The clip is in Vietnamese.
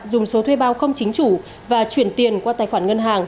dùng số thuê bao không chính chủ và chuyển tiền qua tài khoản ngân hàng